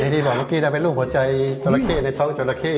นี่แหละนักกี้น่าเป็นรูปหัวใจจอระเข้ในท้องจอระเข้